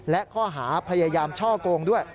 และข้อหาพยายามช่อกงด้วย